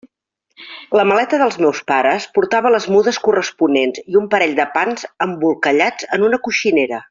La maleta dels meus pares portava les mudes corresponents i un parell de pans embolcallats en una coixinera.